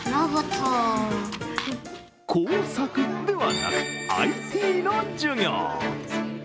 工作ではなくＩＴの授業。